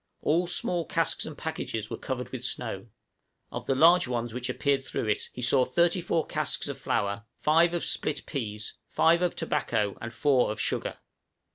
All small casks and packages were covered with snow; of the large ones which appeared through it, he saw thirty four casks of flour, five of split peas, five of tobacco, and four of sugar.